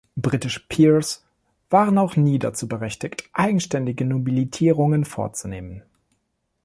Britische Peers waren auch nie dazu berechtigt eigenständig Nobilitierungen vorzunehmen.